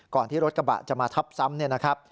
ก่อนที่รถกระบะจะมาทับซ้ำ